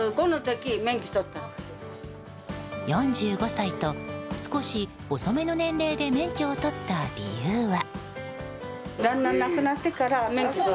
４５歳と少し遅めの年齢で免許を取った理由は？